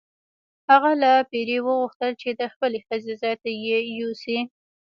هغه له پیري وغوښتل چې د خپلې ښځې ځای ته یې یوسي.